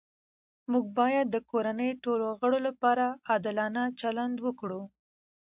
موږ باید د کورنۍ ټولو غړو لپاره عادلانه چلند وکړو